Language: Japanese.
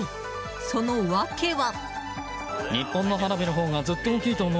その訳は。